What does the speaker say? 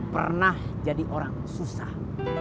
pernah jadi orang susah